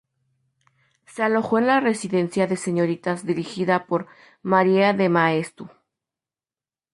Se alojó en la Residencia de Señoritas dirigida por María de Maeztu.